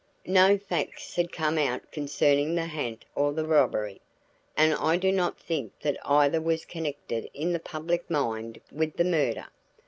No facts had come out concerning the ha'nt or the robbery, and I do not think that either was connected in the public mind with the murder.